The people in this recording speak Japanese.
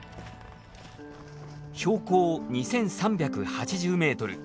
標高２，３８０メートル。